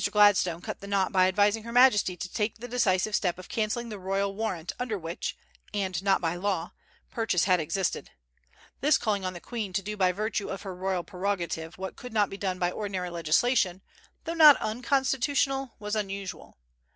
Gladstone cut the knot by advising her Majesty to take the decisive step of cancelling the royal warrant under which and not by law purchase had existed. This calling on the Queen to do by virtue of her royal prerogative what could not be done by ordinary legislation, though not unconstitutional, was unusual.